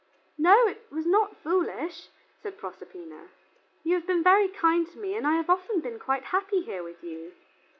"No, it was not foolish," said Proserpina, "you have been very kind to me, and I have often been quite happy here with you."